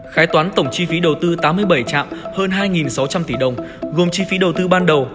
khai toán tổng chi phí đầu tư tám mươi bảy trạm hơn hai sáu trăm linh tỷ đồng gồm chi phí đầu tư ban đầu